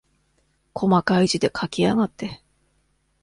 こまかい字で書きやがって。